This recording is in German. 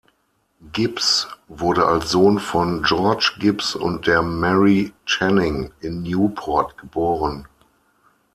Gibbs wurde als Sohn von George Gibbs und der Mary Channing in Newport geboren.